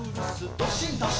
どっしんどっしん」